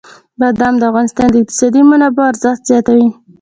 بادام د افغانستان د اقتصادي منابعو ارزښت زیاتوي.